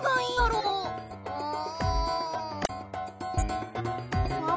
うん？